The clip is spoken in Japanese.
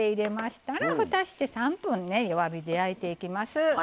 並べ入れましたら、ふたして３分弱火で焼いていきます。